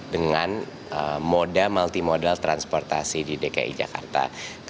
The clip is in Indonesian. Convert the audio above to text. dengan moda multimodal transportasi di dki jakarta